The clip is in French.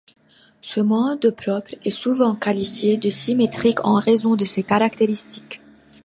Ce mode propre est souvent qualifié de symétrique en raison de ses caractéristiques.